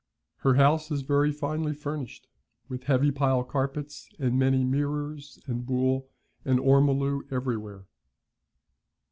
Her house is very finely furnished, with heavy pile carpets and many mirrors, and buhl and ormolu everywhere.